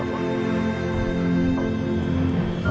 aku gak mau ngeliat lagi wajahnya sama aku